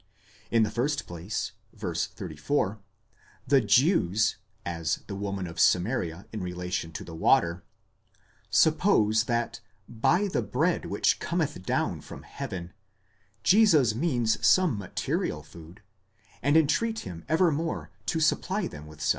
In the first place (v. 34), the Jews (as the woman of Samaria in relation to the water) suppose that by the bread which cometh down from heaven, Jesus means some material food, and entreat him evermore to supply them with such.